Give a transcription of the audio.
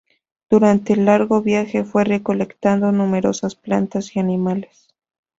Durante el largo viaje fue recolectando numerosas plantas y animales.